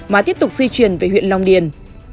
mà tiếp tục di chuyển về huyện long điền